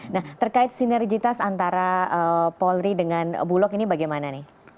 nah terkait sinergitas antara polri dengan bulog ini bagaimana nih